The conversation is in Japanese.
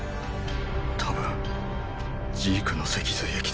多分ジークの脊髄液だ。